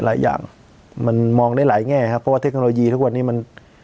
หลายอย่างมันมองได้หลายแง่ครับเพราะว่าเทคโนโลยีทุกวันนี้มัน